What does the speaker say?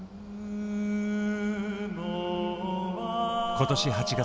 今年８月。